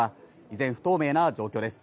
依然、不透明な状況です。